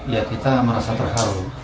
ya kita merasa terharu